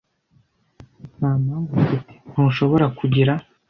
Nta mpamvu ufite! Ntushobora kugira;